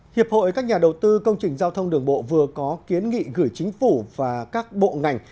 hiệp hội các nhà đầu tư công trình giao thông đường bộ vừa có kiến nghị gửi chính phủ và các bộ ngành